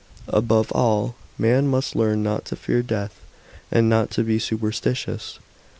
Above all, man must learn not to fear death, and not to be super stitious.